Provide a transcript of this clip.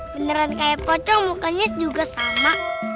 beneran kayak kocok mukanya juga sama